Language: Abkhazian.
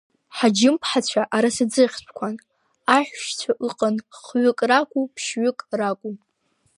Ҳаџьымԥҳацәа Арасаӡыхьтәқәан аиҳәшьцәа аҟан хҩык ракәу, ԥшьҩык ракәу.